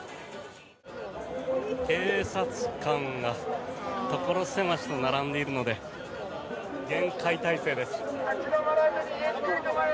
警察官が所狭しと並んでいるので厳戒態勢です。